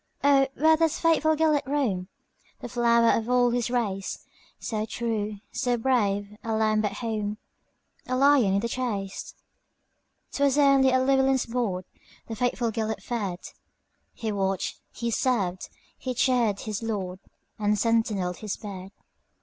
"O, where doth faithful Gêlert roam, The flower of all his race, So true, so brave,—a lamb at home,A lion in the chase?"'T was only at Llewelyn's boardThe faithful Gêlert fed; He watched, he served, he cheered his lord, And sentineled his bed.